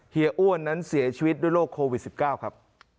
อ้วนนั้นเสียชีวิตด้วยโรคโควิด๑๙ครับ